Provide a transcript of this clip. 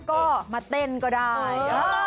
ก็มาเต้นก็ได้